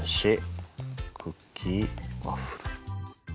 クッキー・ワッフル。